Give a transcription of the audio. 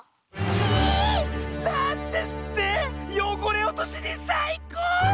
キイー！なんですってよごれおとしにさいこう⁉